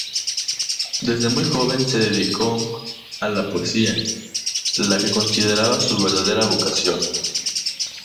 Desde muy joven se dedicó a la poesía, la que consideraba su verdadera vocación.